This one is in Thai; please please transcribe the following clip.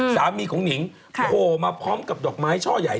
สามีของหนิงโผล่มาพร้อมกับดอกไม้ช่อใหญ่